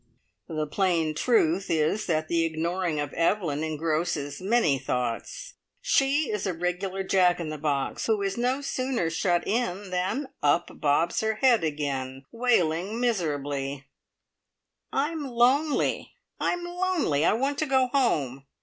The plain truth is that the ignoring of Evelyn engrosses many thoughts. She is a regular Jack in the box, who is no sooner shut in, than up bobs her head again, wailing miserably: "I'm lonely! I'm lonely! I want to go home!"